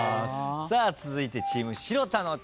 さあ続いてチーム城田の挑戦です。